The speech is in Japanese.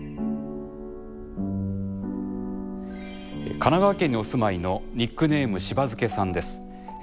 神奈川県にお住まいのニックネームしばづけさんです。